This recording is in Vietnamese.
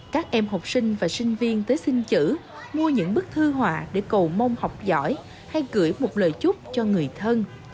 các em học sinh và sinh viên tới xin chữ mua những bức thư họa để cầu mong học giỏi hay gửi một lời chúc cho người thân